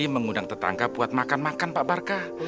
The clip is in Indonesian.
mengundang tetangga buat makan makan pak barkah